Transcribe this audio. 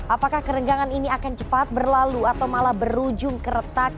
apakah kerenggangan ini akan cepat berlalu atau malah berujung keretak